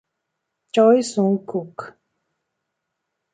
Choi Sung-kuk